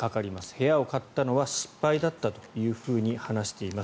部屋を買ったのは失敗だったというふうに話しています。